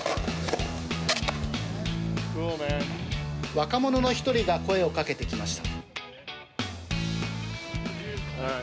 若者の１人が声をかけてきました。